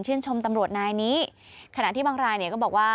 ชมตำรวจนายนี้ขณะที่บางรายเนี่ยก็บอกว่า